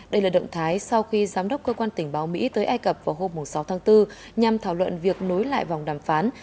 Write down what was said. đây là động thái sau khi giám đốc cơ quan tình báo mỹ tới ai cập vào hôm sáu tháng bốn nhằm thảo luận việc nối lại vòng đàm phán